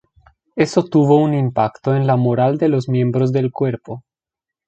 Eso tuvo un impacto en la moral de los miembros del Cuerpo.